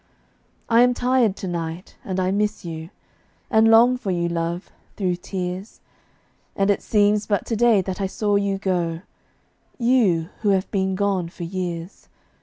I am tired to night, and I miss you, And long for you, love, through tears; And it seems but to day that I saw you go You, who have been gone for years.